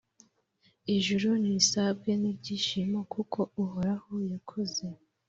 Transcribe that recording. ijuru nirisabwe n’ibyishimo, kuko uhoraho yakoze,